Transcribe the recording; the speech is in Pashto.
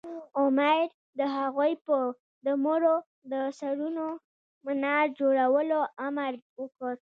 امیر د هغوی د مړو د سرونو منار جوړولو امر وکړ.